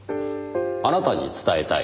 あなたに伝えたい。